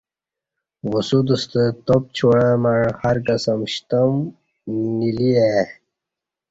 وسوت ستہ تاپ چوعہ مع ہرقسم شتم نینیلی ا ی